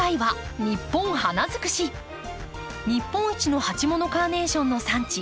日本一の鉢物カーネーションの産地